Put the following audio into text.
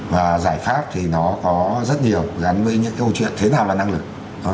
và giải pháp thì nó có rất nhiều gắn với những câu chuyện thế nào là năng lực